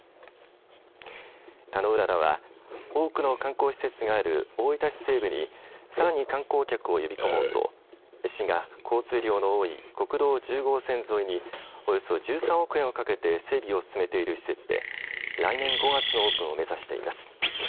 たのうららは多くの観光施設がある大分市西部にさらに観光客を呼び込もうと市が交通量の多い国道１０号線沿いにおよそ１３億円をかけて整備を進めている施設で来年５月のオープンを目指しています。